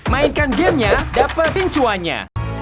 mainkan gamenya dapat pincuannya